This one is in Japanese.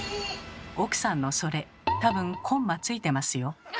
奥さんのそれ多分コンマついてますよ。